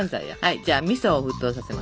じゃあみそを沸騰させます。